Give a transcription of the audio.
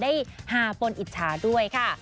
ได้ฮาปนอิจฉาด้วยค่ะ